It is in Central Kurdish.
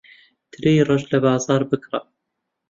ترێی ڕەش لە بازاڕ بکڕە.